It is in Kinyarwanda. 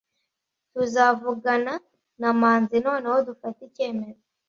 Tuzavugana na Manzi noneho dufate icyemezo.